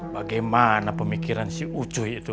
bagaimana pemikiran si ucu itu